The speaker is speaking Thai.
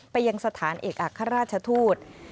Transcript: ไปยังสถานเอกอัครราชทูต